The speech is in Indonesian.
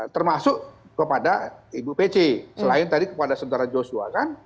termasuk kepada ibu pece selain tadi kepada saudara joshua kan